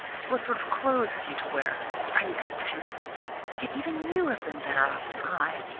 What sort of clothes have you to wear? Are you content? Yet even you have been better off than I.